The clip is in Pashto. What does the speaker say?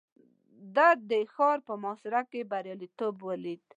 ده د ښار په محاصره کې برياليتوب ليد.